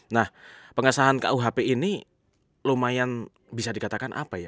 nah pengesahan kuhp ini lumayan bisa dikatakan apa ya